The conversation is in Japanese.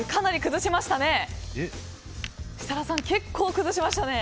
設楽さん、かなり崩しましたね。